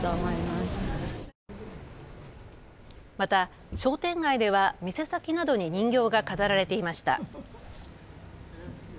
また商店街では店先などに人形が飾られていました。